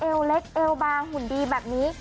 เล็กเอวบางหุ่นดีแบบนี้